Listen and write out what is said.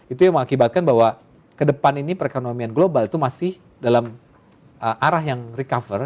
itu yang mengakibatkan bahwa ke depan ini perekonomian global itu masih dalam arah yang recover